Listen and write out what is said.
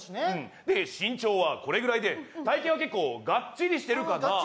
で、身長はこれぐらいで、体重は結構ガッチリしてるかな。